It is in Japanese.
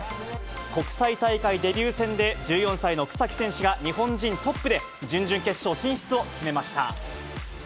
国際大会デビュー戦で１４歳の草木選手が、日本人トップで、準々決勝進出を決めました。